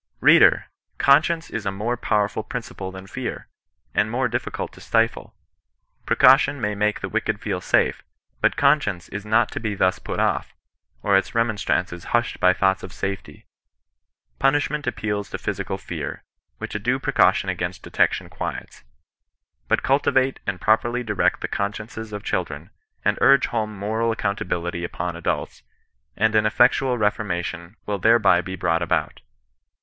Reader ! Conscience is a more powerful principle than fear : and more difiicult to stifle. Precaution may make the wicked feel safe ; but conscience is not to be thus put off, or its remonstrances hushed by thoughts of safety. Punishment appeals to physical fear, which a due precaution against detection quiets; but cultivate and properly direct the consciencea ol QfciSAxssv^^Si^^»^* 114 CHRISTIAN NON BE8I3TANCE. home moral accountability upon adults, and an effectual reformation will thereby be brought alx)ut.